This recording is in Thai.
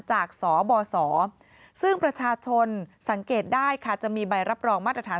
จากสบสซึ่งประชาชนสังเกตได้ค่ะจะมีใบรับรองมาตรฐาน